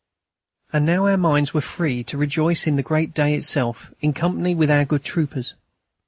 And now our minds were free to rejoice in the great day itself in company with our good troopers.